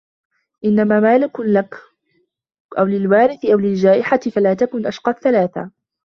إنَّمَا مَالُك لَك أَوْ لِلْوَارِثِ أَوْ لِلْجَائِحَةِ فَلَا تَكُنْ أَشْقَى الثَّلَاثَةِ